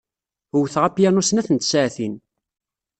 Wteɣ apyanu snat n tsaɛtin.